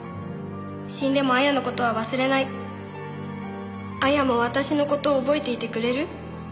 「死んでも亜矢のことは忘れない」「亜矢も私のことを覚えていてくれる」